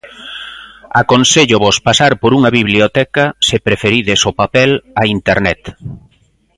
Aconséllovos pasar por unha biblioteca se preferides o papel a Internet.